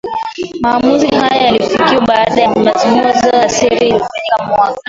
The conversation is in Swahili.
Maamuzi haya yalifikiwa baada ya mazungumzo ya siri yaliyofanyika mwaka